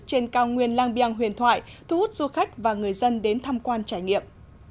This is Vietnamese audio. trên cao nguyên lang biang huyền thoại thu hút du khách và người dân đến tham quan trải nghiệm